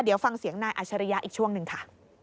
เดี๋ยวฟังเสียงนายอัชริยะอีกช่วงหนึ่งค่ะ